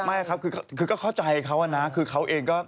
ไม่ครับคือก็เข้าใจเขานะคือเขาเองก็